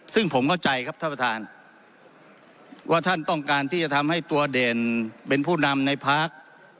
ซึ่งผมเข้าใจครับท่านประธานว่าท่านต้องการที่จะทำให้ตัวเด่นเป็นผู้นำในพัก